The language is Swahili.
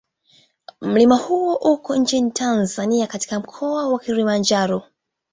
Mlima huo uko nchini Tanzania katika Mkoa wa Kilimanjaro.